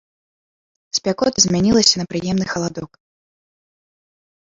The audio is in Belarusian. Спякота змянілася на прыемны халадок.